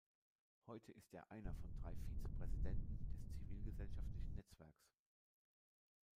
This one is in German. Heute ist er einer von drei Vizepräsidenten des zivilgesellschaftlichen Netzwerks.